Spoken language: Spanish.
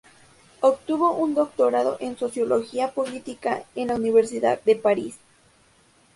Obtuvo un doctorado en Sociología política en la Universidad de París.